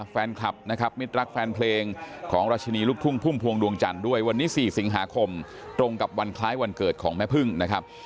แฟนคลับนะครับมิดรักแฟนเพลงของราชินีลูกทุ่งพุ่มพวงดวงจันทร์ด้วยวันนี้๔สิงหาคมตรงกับวันคล้ายวันเกิดของแม่พึ่งนะครับ